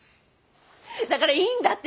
だからいいんだって！